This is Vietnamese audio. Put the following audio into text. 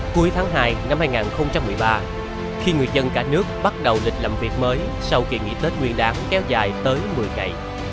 cuối tháng hai năm hai nghìn một mươi ba khi người dân cả nước bắt đầu lịch làm việc mới sau kỳ nghỉ tết nguyên đáng kéo dài tới một mươi ngày